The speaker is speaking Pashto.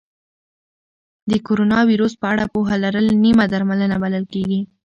د کرونا ویروس په اړه پوهه لرل نیمه درملنه بلل کېږي.